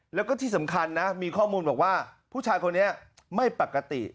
แล้วก็ที่สำคัญนะมีข้อมูลบอกว่าผู้ชายคนนี้ไม่ปกติ